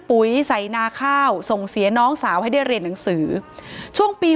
ปุ๋ยใส่นาข้าวส่งเสียน้องสาวให้ได้เรียนหนังสือช่วงปี